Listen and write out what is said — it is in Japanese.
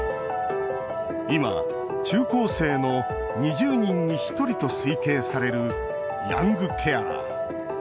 今、中高生の２０人に１人と推計されるヤングケアラー。